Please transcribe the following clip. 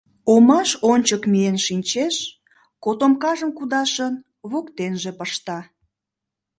Омаш ончык миен шинчеш, котомкажым кудашын, воктенже пышта.